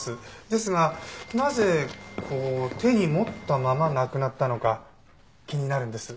ですがなぜこう手に持ったまま亡くなったのか気になるんです。